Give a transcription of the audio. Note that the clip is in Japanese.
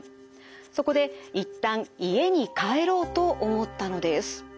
そこでいったん家に帰ろうと思ったのです。